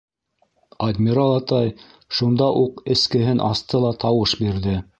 Адмирал атай шунда уҡ эскеһен асты ла тауыш бирҙе: